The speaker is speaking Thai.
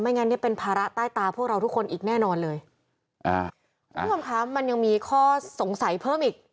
ไม่งั้นเป็นภาระใต้ตาพวกเราทุกคนอีกแน่นอนเลยมันยังมีข้อสงสัยเพิ่มอีก